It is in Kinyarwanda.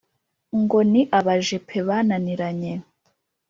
ngo ni abajepe bananiranye.